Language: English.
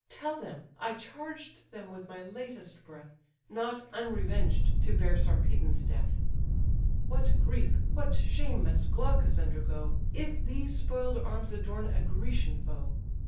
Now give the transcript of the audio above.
Tell them, I charged them with my latest breath Not unrevenged to bear Sarpedon's death. What grief, what shame, must Glaucus undergo, If these spoil'd arms adorn a Grecian foe!